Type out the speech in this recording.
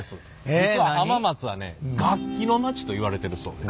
実は浜松はね楽器の町といわれてるそうです。